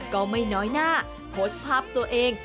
ก็ไม่น้อยหน้าโพสต์ภาพตัวเอง